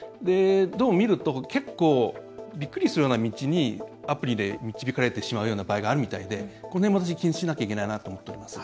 見ると、結構びっくりするような道にアプリで導かれてしまう場合があるみたいでこれも私、気にしなければいけないと思っています。